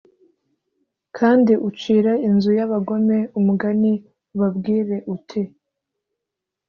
kandi ucire inzu y abagome umugani ubabwire uti